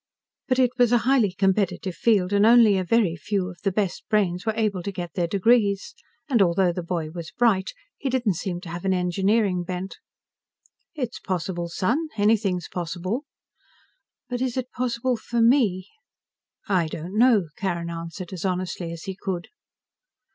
But it was a highly competitive field and only a very few of the best brains were able to get their degrees. And, although the boy was bright, he didn't seem to have an engineering bent. "It's possible, Son. Anything is possible." "But is it possible for me?" "I don't know," Carrin answered, as honestly as he could.